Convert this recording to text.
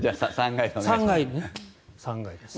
３階でね。